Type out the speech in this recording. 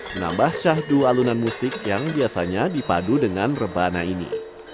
menambah syah dua alunan musik yang biasanya dipadu dengan rebana ini